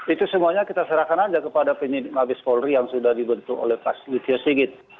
itu semuanya kita serahkan saja kepada penyelidik mabes polri yang sudah dibentuk oleh pak siti singit